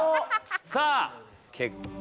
さあ。